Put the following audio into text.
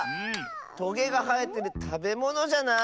トゲがはえてるたべものじゃない？